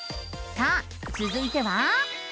さあつづいては。